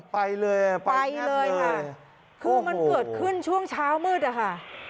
ไปเลยอ่ะไปเลยค่ะคือมันเกิดขึ้นช่วงเช้ามืดอะค่ะ